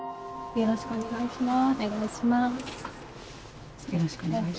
よろしくお願いします。